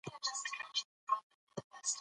پوهه د هرې ستونزې لپاره حل لاره ده.